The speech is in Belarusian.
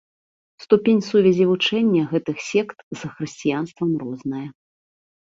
Ступень сувязі вучэння гэтых сект з хрысціянствам розная.